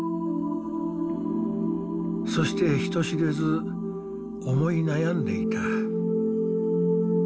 そして人知れず思い悩んでいた。